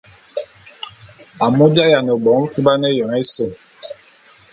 Amu j’ayiane bo mfuban éyoñ ése.